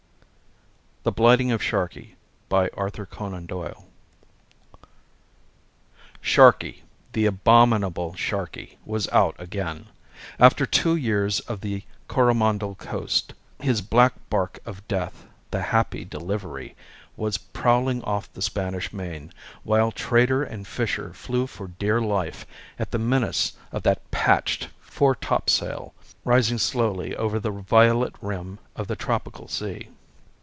THE BLIGHTING OF SHARKEY Sharkey, the abominable Sharkey, was out again. After two years of the Coromandel coast, his black barque of death, The Happy Delivery, was prowling off the Spanish Main, while trader and fisher flew for dear life at the menace of that patched fore topsail, rising slowly over the violet rim of the tropical sea.